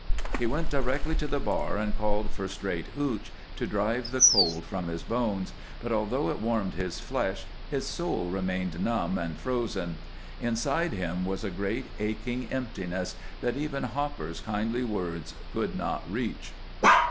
He went directly to the bar and called for straight "hootch," to drive the cold from his bones, but, although it warmed his flesh, his soul remained numb and frozen. Inside him was a great aching emptiness that even Hopper's kindly words could not reach.